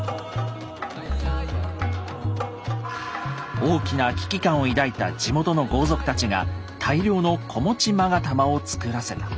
大きな危機感を抱いた地元の豪族たちが大量の子持勾玉を作らせた。